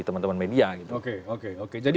teman teman media gitu oke oke oke jadi